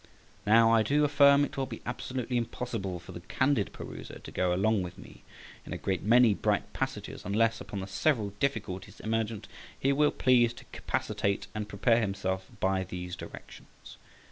Now, I do affirm it will be absolutely impossible for the candid peruser to go along with me in a great many bright passages, unless upon the several difficulties emergent he will please to capacitate and prepare himself by these directions.